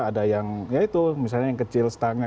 ada yang ya itu misalnya yang kecil setengah